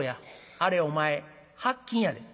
あれお前白金やで」。